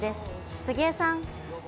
杉江さん。